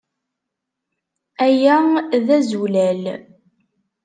Aya d azulal!